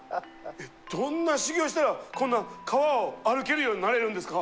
えどんな修行したらこんな川を歩けるようになれるんですか？